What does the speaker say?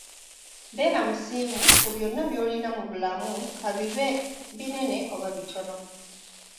Beera musiimu ku byonna by'olina mu bulamu kabibe binene oba bitono.